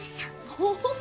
オホホ！